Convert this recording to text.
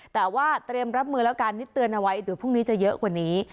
แต่ว่าเตรียมรับมือแล้วกันนี่เตือนเอาไว้เดี๋ยวพรุ่งนี้จะเยอะกว่านี้